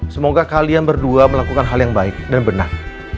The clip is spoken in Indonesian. semoga kalian berdua melakukan hal yang baik dan benar